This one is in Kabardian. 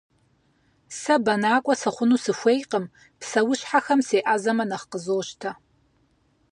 Сэ бэнакӏуэ сыхъуну сыхуейкъым, псэущхьэхэм сеӏэзэмэ нэхъ къызощтэ.